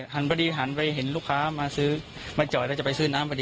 หันพอดีหันไปเห็นลูกค้ามาซื้อมาจอดแล้วจะไปซื้อน้ำพอดี